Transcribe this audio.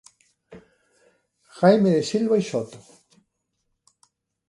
Jaime de Silva y Soto.